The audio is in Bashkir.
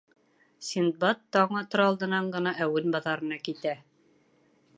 Синдбад таң атыр алдынан ғына әүен баҙарына китә.